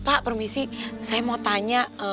pak permisi saya mau tanya